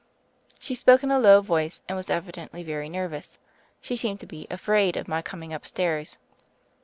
She spoke in a low voice and was evi dently very nervous. She seemed to be afraid of my coming up stairs.